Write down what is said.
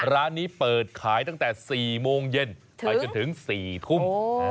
ร้านนี้เปิดขายตั้งแต่๔โมงเย็นไปจนถึง๔ทุ่ม